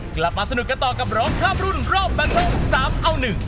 กลับมาสนุกกันต่อกับร้องข้ามรุ่นรอบฟันทง๓เอา๑